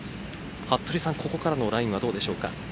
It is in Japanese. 服部さん、ここからのラインはどうでしょうか。